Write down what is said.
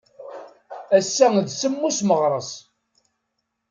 Ass-a d semmus Meɣres.